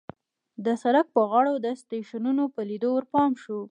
د سړک په غاړو د سټېشنونو په لیدو ورپام شو.